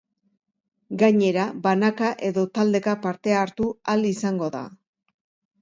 Gainera, banaka edo taldeka parte hartu ahal izango da.